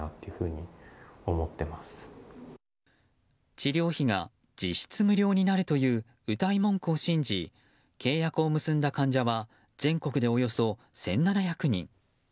治療費が実質無料になるといううたい文句を信じ契約を結んだ患者は全国でおよそ１７００人。